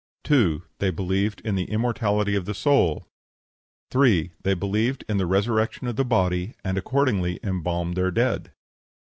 2. They believed in the immortality of the soul. 3. They believed in the resurrection of the body, and accordingly embalmed their dead.